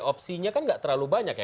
opsinya kan gak terlalu banyak ya